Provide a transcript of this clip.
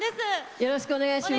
よろしくお願いします。